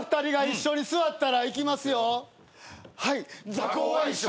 座高は一緒。